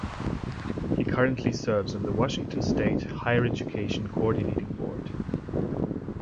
He currently serves on the Washington State Higher Education Coordinating Board.